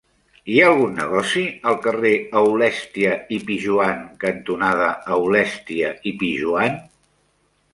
Hi ha algun negoci al carrer Aulèstia i Pijoan cantonada Aulèstia i Pijoan?